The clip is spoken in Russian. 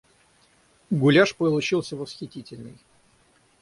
Гуляш получился восхитительный.